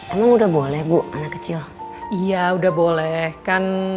emang udah boleh bu anak kecil iya udah boleh kan